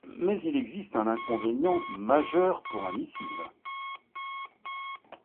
Mais il existe un inconvénient majeure pour un missile.